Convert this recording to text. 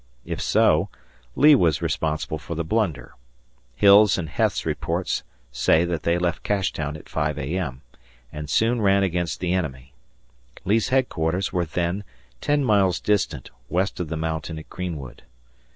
If so, Lee was responsible for the blunder. Hill's and Heth's reports say that they left Cashtown at 5 A.M., and soon ran against the enemy. Lee's headquarters were then ten miles distant west of the mountain at Greenwood.